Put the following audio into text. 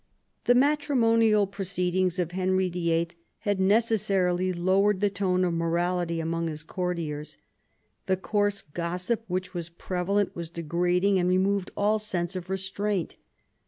The matrimonial proceedings of Henry VHI. had necessarily lowered the tone of morality amongst his courtiers. The coarse gossip which was pre valent was degrading and removed all sense of restraint.